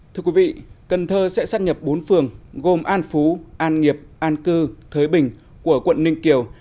thưa quý vị cần thơ sẽ sát nhập bốn phường gồm an phú an nghiệp an cư thới bình của quận ninh kiều